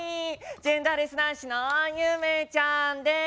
ジェンダーレス男子の夢ちゃんです。